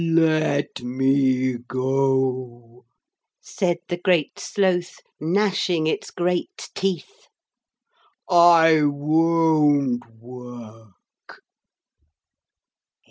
'Let me go,' said the Great Sloth, gnashing its great teeth. 'I won't work!'